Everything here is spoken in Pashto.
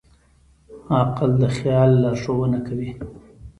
عقل د خیال لارښوونه کوي.